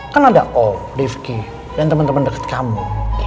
kan ada ol rifki dan temen temen deket kamu